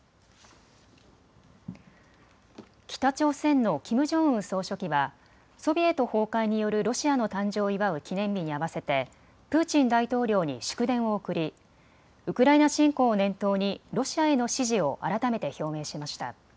北朝鮮のキム・ジョンウン総書記はソビエト崩壊によるロシアの誕生を祝う記念日に合わせてプーチン大統領に祝電を送りウクライナ侵攻を念頭にロシアへの支持を改めて表明しました。